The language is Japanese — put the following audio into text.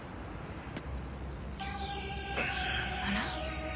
あら？